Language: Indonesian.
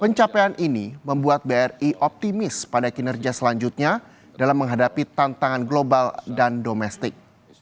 pencapaian ini membuat bri optimis pada kinerja selanjutnya dalam menghadapi tantangan global dan domestik